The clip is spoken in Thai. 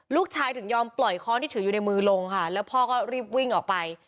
ลูกชายถึงยอมปล่อยค้อนที่ถืออยู่ในมือลงค่ะแล้วพ่อก็รีบวิ่งออกไป